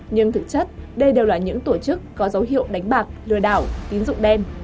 nhưng thực chất đây đều là những tổ chức có dấu hiệu đánh bạc lừa đảo tín dụng đen